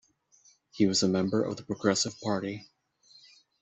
He was a member of the Progressive Party.